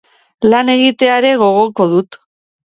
Lan egitea ere gogoko dut.